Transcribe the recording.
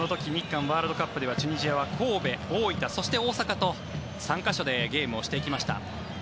韓ワールドカップではチュニジアは神戸、大分そして大阪と３か所でゲームをしていきました。